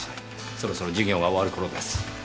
そろそろ授業が終わる頃です。